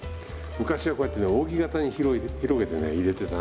昔はこうやってね扇形に広げてね入れてた。